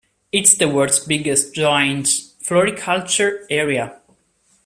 It's the world's biggest joined floriculture area.